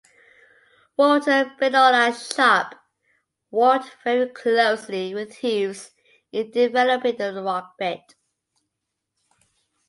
Walter Benona Sharp worked very closely with Hughes in developing the rock bit.